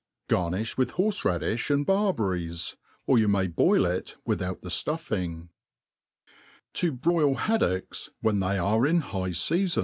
Garnifh with horfe raddi(b and barberries, or you may boil it without th€ Cuffing* % To broil Haddocks^ when they are in high Seafm.